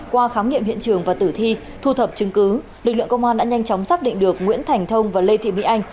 qua khám nghiệm hiện trường và tử thi thu thập chứng cứ lực lượng công an đã nhanh chóng xác định được nguyễn thành thông và lê thị mỹ anh